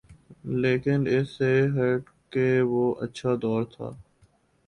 لیکن اس سے ہٹ کے وہ اچھا دور تھا۔